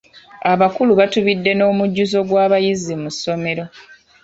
Abakulu batubidde n'omujjuzo gw'abayizi mu ssomero.